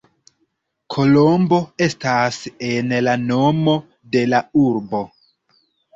Kolombo estas en la nomo de la urbo.